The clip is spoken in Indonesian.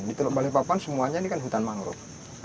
di turug banipapa semuanya ini kan hutan mangrove